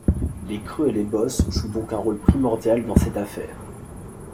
Les creux et les bosses jouent donc un rôle primordial dans cette affaire.